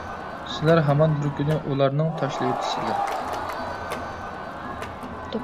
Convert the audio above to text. سىلەر ھامان بىر كۈنى ئۇلارنىڭ تاشلىۋېتىسىلەر.